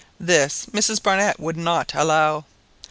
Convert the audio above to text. This Mrs Barnett would not allow.